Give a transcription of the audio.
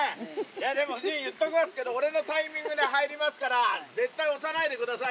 でも夫人、言っときますけど、俺のタイミングで入りますから、絶対押さないでください